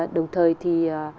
đồng thời thì